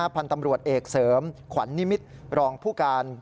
พันธุ์ตำรวจเอกเสริมขวัญนิมิตรรองผู้การ